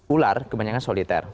ular kebanyakan soliter